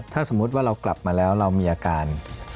ถ้าสมมุติว่าเรากลับมาแล้วเรามีอาการ